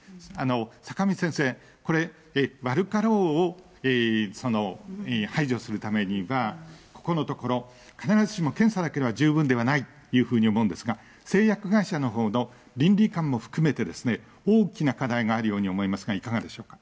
坂巻先生、これ、悪かろうを排除するためには、ここのところ、必ずしも検査だけでは十分ではないというふうに思うんですが、製薬会社のほうの倫理観も含めて、大きな課題があるように思いますが、いかがでしょうか。